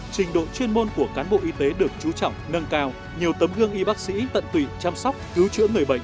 trình độ chuyên môn của cán bộ y tế được trú trọng nâng cao nhiều tấm gương y bác sĩ tận tụy chăm sóc cứu chữa người bệnh